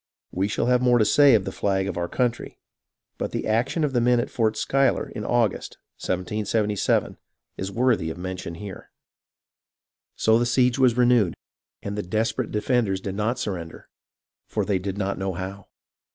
We shall have more to say of the flag of our country, but the action of the men at Fort Schuyler in August, 1777, is worthy of mention here. So the siege was renewed, and the desperate defenders did not surrender, for they did not know how.